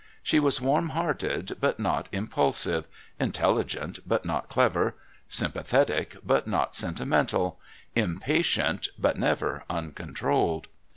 She was warm hearted but not impulsive, intelligent but not clever, sympathetic but not sentimental, impatient but never uncontrolled.